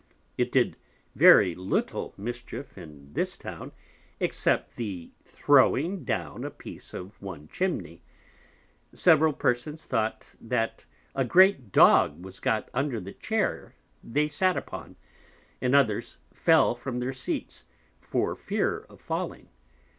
It did very little Mischief in this Town, except the throwing down a Piece of one Chimney. Several Persons thought that a great Dog was got under the Chair they sat upon; and others fell from their Seats, for fear of falling.